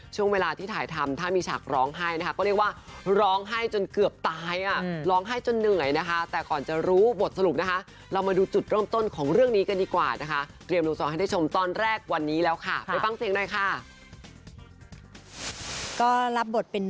ช่วงเวลาที่ถ่ายทำถ้ามีฉากร้องไห้นะคะ